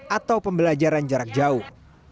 atau pembelajaran jarak jauh